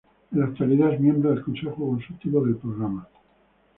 En la actualidad es miembro del Consejo consultivo del Programa.